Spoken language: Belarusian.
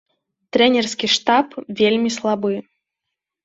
Трэнерскі штаб вельмі слабы.